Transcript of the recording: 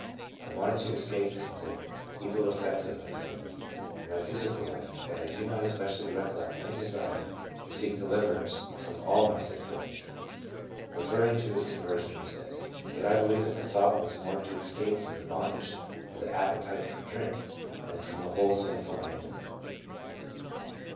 . I wanted to escape from the evil effects of my sins, in my physical life, but I do not especially recollect any desire to seek deliverance from all my sinful nature." Eeferring to his conversion he says, " Yet I believe that the thought was more to escape from the bondage of the appetite for drink than from the whole sinful man."